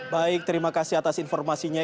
baik terima kasih atas informasinya